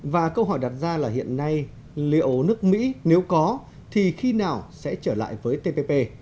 và câu hỏi đặt ra là hiện nay liệu nước mỹ nếu có thì khi nào sẽ trở lại với tpp